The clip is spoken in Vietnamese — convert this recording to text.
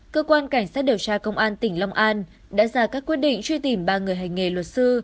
cơ quan cảnh sát điều tra công an tỉnh long an đã ra các quyết định truy tìm ba người hành nghề luật sư